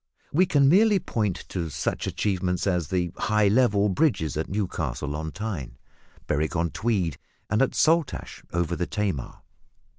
We can merely point to such achievements as the high level bridges at Newcastle on Tyne, Berwick on Tweed, and at Saltash, over the Tamar.